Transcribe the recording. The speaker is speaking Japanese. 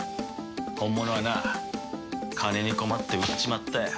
本物はな金に困って売っちまったよ。